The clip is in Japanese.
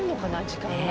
時間が。